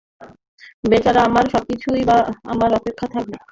বেচারা আর কতক্ষণই বা আমার অপেক্ষায় থাকবে!